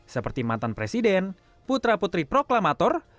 seperti mantan presiden putra putri proklamator